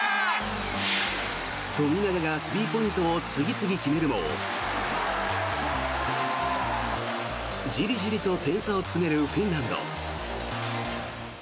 富永がスリーポイントを次々決めるもじりじりと点差を詰めるフィンランド。